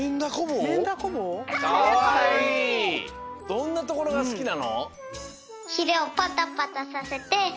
どんなところがすきなの？